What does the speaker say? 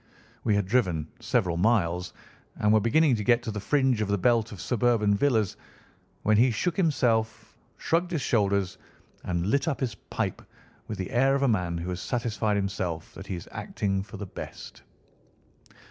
We had driven several miles, and were beginning to get to the fringe of the belt of suburban villas, when he shook himself, shrugged his shoulders, and lit up his pipe with the air of a man who has satisfied himself that he is acting for the best.